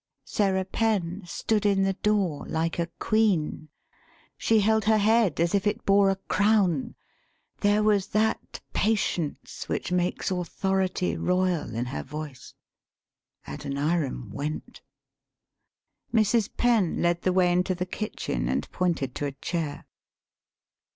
[Sarah Penn stood in the door like a queen; she held her head as if it bore a crown ; there was that patience which makes authority royal in her voice.] Adoniram went. Mrs. Penn led the way into the kitchen, and pointed to a chair.